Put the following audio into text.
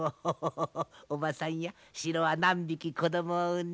おばさんやシロは何匹子どもを産んだ？